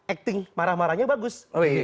acting marah marahnya bagus